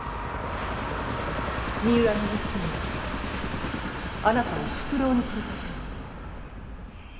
三浦義村あなたを宿老に取り立てます。